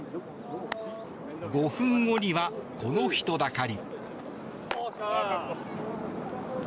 ５分後にはこの人だかり。